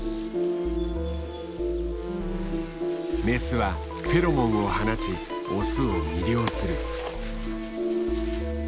メスはフェロモンを放ちオスを魅了する。